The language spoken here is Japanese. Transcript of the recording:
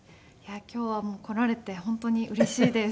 今日はもう来られて本当にうれしいです。